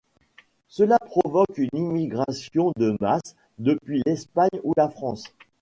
Cela provoque une immigration de masse depuis l'Espagne ou la France.